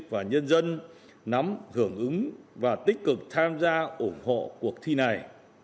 và nhân dân nắm hưởng ứng và tích cực tham gia ủng hộ cuộc thi này